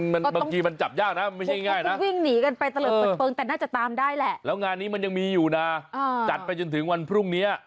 มันเมื่อกี้มันจับยากนะมันไม่ง่ายนะแล้วงานนี้มันยังมีอยู่นะจัดไปจนถึงวันพรุ่งนี้